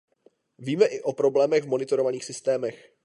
Víme i o problémech v monitorovacích systémech.